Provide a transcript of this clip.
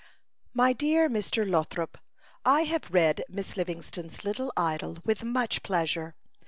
My Dear Mr. Lothrop: — I have read Miss Livingston's little idyl with much pleasure.